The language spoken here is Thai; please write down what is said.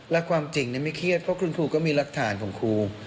และความจริงไม่เครียดเพราะคุณครูก็มีรักฐานของครู